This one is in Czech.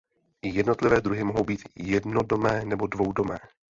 Jednotlivé druhy mohou být jednodomé nebo dvoudomé.